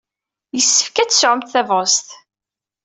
Yessefk ad tesɛumt tabɣest.